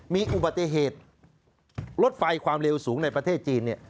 มีอุบัติเหตุรถไฟความเร็วสูงในประเทศจีน